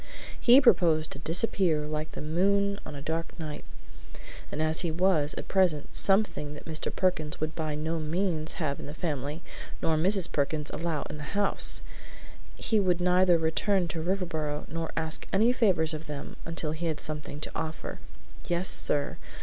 He proposed to disappear, like the moon on a dark night, and as he was, at present, something that Mr. Perkins would by no means have in the family nor Mrs. Perkins allow in the house, he would neither return to Riverboro nor ask any favors of them until he had something to offer. Yes, sir.